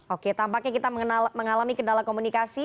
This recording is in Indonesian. oke tampaknya kita mengalami kendala komunikasi